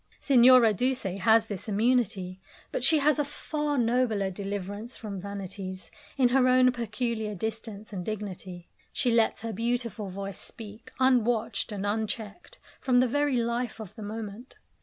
Signora Duse has this immunity, but she has a far nobler deliverance from vanities, in her own peculiar distance and dignity. She lets her beautiful voice speak, unwatched and unchecked, from the very life of the moment.